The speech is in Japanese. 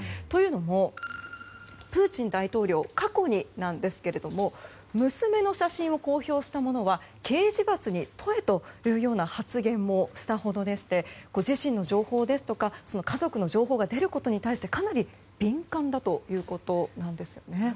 というのも、プーチン大統領過去になんですが娘の写真を公表した者は刑事罰に問えという発言もしたほどでしてご自身の情報ですとか家族の情報が出ることに対してかなり敏感だということなんですよね。